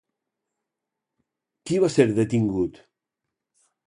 Qui va ser detingut?